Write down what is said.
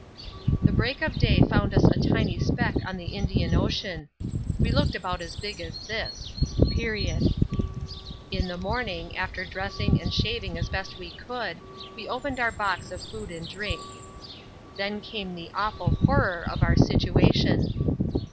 The break of day found us a tiny speck on the Indian Ocean. We looked about as big as this (.). In the morning, after dressing, and shaving as best we could, we opened our box of food and drink. Then came the awful horror of our situation.